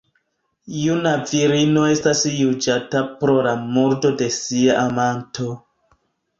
Juna virino estas juĝata pro la murdo de sia amanto.